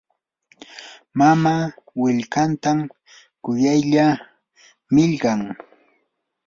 mamaa willkantan kuyaylla millqan.